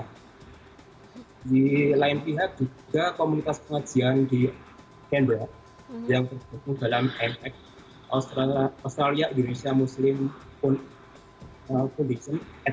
di lain pihak juga komunitas pengajian di canberra yang berfokus dalam impact australia indonesia muslim dan fudisi